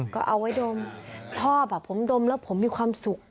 ก็เอาไว้ดมชอบผมดมแล้วผมมีความสุข